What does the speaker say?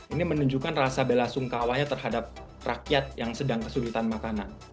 ini menunjukkan rasa bela sungkawanya terhadap rakyat yang sedang kesulitan makanan